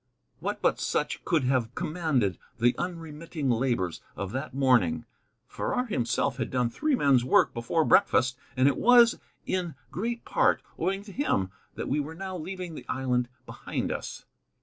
What but such could have commanded the unremitting labors of that morning? Farrar himself had done three men's work before breakfast, and it was, in great part, owing to him that we were now leaving the island behind us.